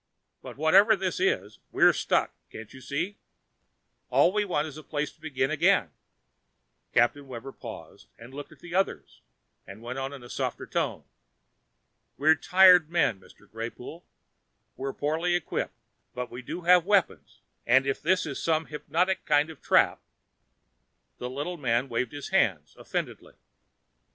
But whatever this is, we're stuck, can't you see? All we want is a place to begin again " Captain Webber paused, looked at the others and went on in a softer tone. "We're tired men, Mr. Greypoole; we're poorly equipped, but we do have weapons and if this is some hypnotic kind of trap...." The little man waved his hand, offendedly.